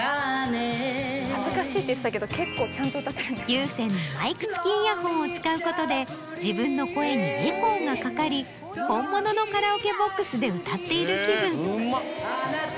有線のマイク付きイヤホンを使うことで自分の声にエコーがかかり本物のカラオケボックスで歌っている気分。